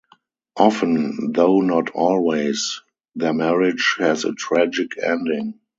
Often, though not always, their marriage has a tragic ending.